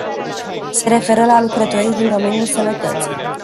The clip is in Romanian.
Se referă la lucrătorii din domeniul sănătății.